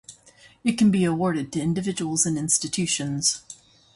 It can be awarded to individuals and institutions.